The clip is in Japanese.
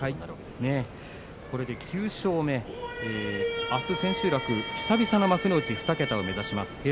これで９勝目錦木はあす千秋楽幕内２桁を目指します